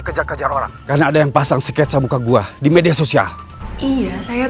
kerja kejar orang karena ada yang pasang sketch muka gua di media sosial iya saya